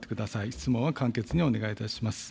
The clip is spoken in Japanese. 質問は簡潔にお願いいたします。